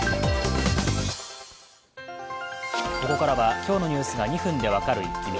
ここからは今日のニュースが２分で分かるイッキ見。